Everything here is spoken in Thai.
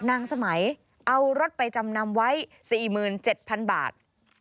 นางสมัยเอารถไปจำนำไว้๔๗๐๐บาท